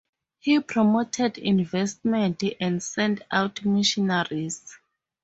He promoted investment, and sent out missionaries.